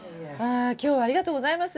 今日はありがとうございます！